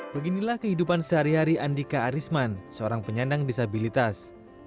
beginilah kehidupan sehari hari andika arisman seorang penyandang disabilitas